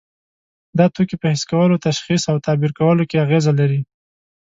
دا توکي په حس کولو، تشخیص او تعبیر کولو کې اغیزه لري.